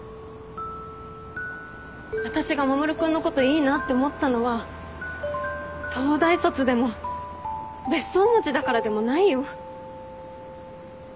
私が守君のこといいなって思ったのは東大卒でも別荘持ちだからでもないよ。